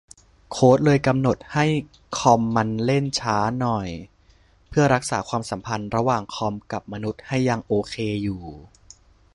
โค้ดเลยกำหนดให้คอมมันเล่นช้าหน่อย เพื่อรักษาความสัมพันธ์ระหว่างคอมกับมนุษย์ให้ยังโอเคอยู่